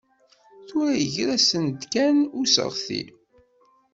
Tura yeggra-asen-d kan useɣti.